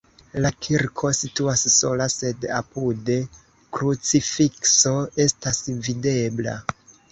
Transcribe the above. La kirko situas sola, sed apude krucifikso estas videbla.